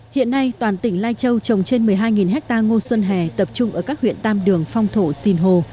hiện nay toàn tỉnh lai châu trồng trên một mươi hai hecta ngô xuân hẻ tập trung ở các huyện tam đường phong thổ sìn hồ